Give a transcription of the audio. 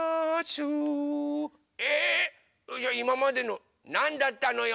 じゃあいままでのなんだったのよ！